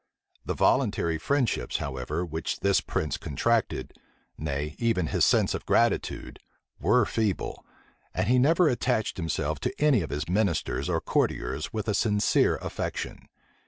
[* ]The voluntary friendships, however, which this prince contracted, nay, even his sense of gratitude, were feeble; and he never attached himself to any of his ministers or courtiers with a sincere affection.